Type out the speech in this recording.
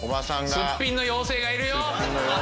すっぴんの妖精がいるよ！